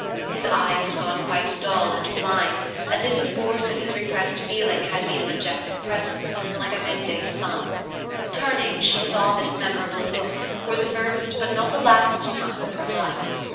His eyes had gone quite dull and blind, as if the force of his repressed feeling had been an objective presence, like a mid day sun. Turning, she saw this memorable look, for the first, but not the last time in her life.